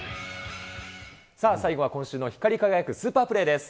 さあ、最後は今週の光り輝くスーパープレーです。